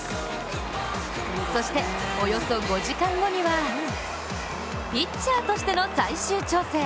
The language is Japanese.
そして、およそ５時間後にはピッチャーとしての最終調整。